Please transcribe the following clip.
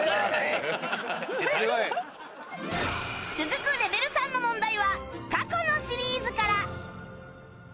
続くレベル３の問題は過去のシリーズから